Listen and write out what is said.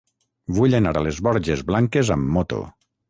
Vull anar a les Borges Blanques amb moto.